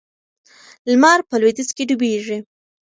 لمر په لویدیځ کې ډوبیږي.